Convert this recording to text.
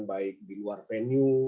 baik di luar venue